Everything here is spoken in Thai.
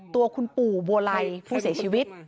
ตัวคุณปู่บัวไลผู้เสียชีวิต